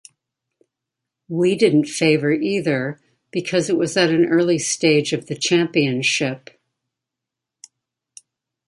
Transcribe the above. We didn't favor either because it was at an early stage of the championship.